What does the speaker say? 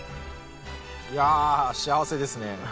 いや幸せですね。